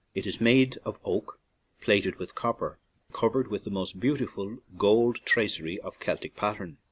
It is made of oak plated with copper, and covered with the most beautiful gold tra cery of Celtic pattern.